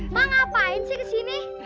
ma ngapain sih ke sini